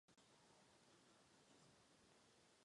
Z kazatelny je zachováno pouze přístupové schodiště.